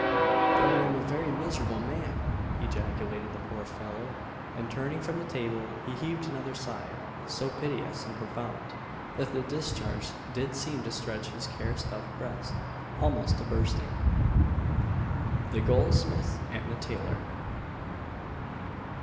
"Then I am a very miserable man!" ejaculated the poor fellow, and turning from the table he heaved another sigh, so piteous and profound, that the discharge did seem to stretch his care stuffed breast almost to bursting. THE GOLDSMITH AND THE TAILOR.